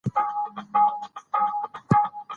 رسوب د افغانستان د ولایاتو په کچه ډېر توپیر لري.